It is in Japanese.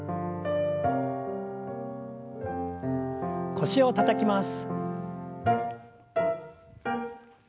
腰をたたきます。